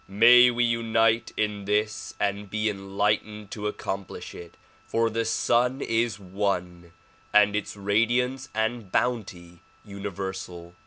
May we unite in this and be enlightened to accomplish it, for the Sun Is one and its radiance and bounty universal.